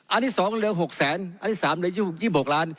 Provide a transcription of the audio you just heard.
อันที่สองเหลือหกแสนอันที่สามเหลือยี่สิบหกล้าน